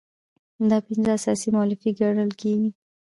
دا پنځه اساسي مولفې ګڼل کیږي.